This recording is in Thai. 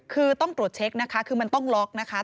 คือต้องตรวจเช็คนะคะคือมันต้องล็อกนะคะ